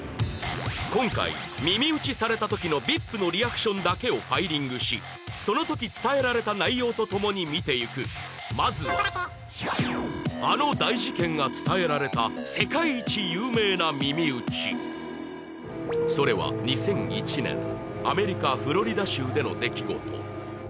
今回耳打ちされた時のＶＩＰのリアクションだけをファイリングしその時伝えられた内容とともに見ていくまずはあの大事件が伝えられたそれは２００１年アメリカ・フロリダ州での出来事